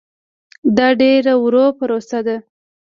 دا ډېره ورو پروسه ده.